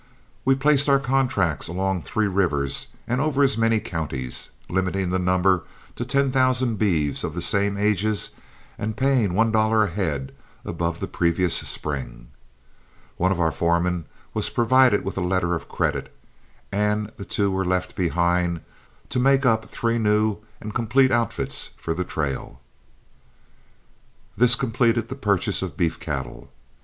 We placed our contracts along three rivers and over as many counties, limiting the number to ten thousand beeves of the same ages and paying one dollar a head above the previous spring. One of our foremen was provided with a letter of credit, and the two were left behind to make up three new and complete outfits for the trail. This completed the purchase of beef cattle.